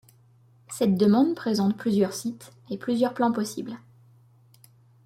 Cette demande présente plusieurs sites et plusieurs plans possibles.